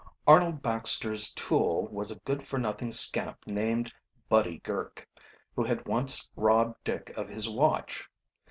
Arnold Baxter's tool was a good for nothing scamp named Buddy Girk, who had once robbed Dick of his watch.